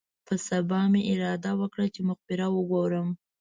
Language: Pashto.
په سبا مې اراده وکړه چې مقبره وګورم.